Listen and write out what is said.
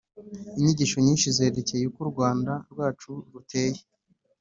inyigisho nyinshi zerekeye uko u rwanda rwacu ruteye